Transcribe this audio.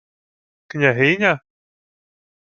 — Княгиня?